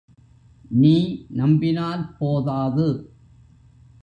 நீ நம்பினால் போதாது!